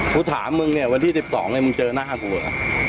ถามมึงเนี่ยวันที่๑๒เนี่ยมึงเจอหน้ากูเหรอ